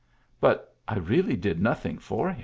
" But I really did nothing for him."